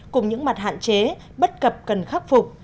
cùng những mặt hạn chế bất cập cần khắc phục